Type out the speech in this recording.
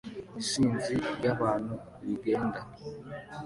Isinzi ry'abantu rigenda